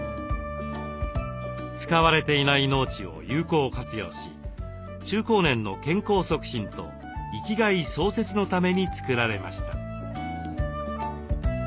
使われていない農地を有効活用し中高年の健康促進と生きがい創設のために作られました。